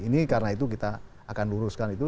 ini karena itu kita akan luruskan itu